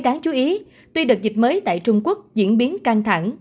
trong thế giới đáng chú ý tuy đợt dịch mới tại trung quốc diễn biến căng thẳng